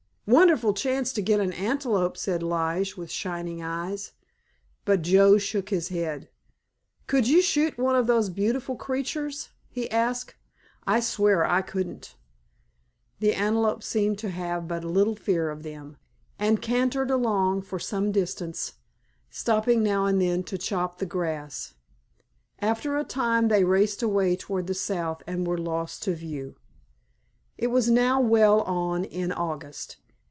"Wonderful chance to get an antelope," said Lige with shining eyes; but Joe shook his head. "Could you shoot one of those beautiful creatures?" he asked. "I swear I couldn't." The antelope seemed to have but little fear of them, and cantered along for some distance, stopping now and then to crop the grass. After a time they raced away toward the south, and were lost to view. It was now well on in August.